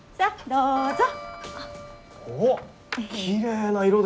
どうぞ。